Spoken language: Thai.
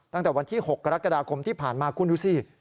ตั้งแต่วันที่๖กรกฎาคมที่ผ่านมาคุณดูสิ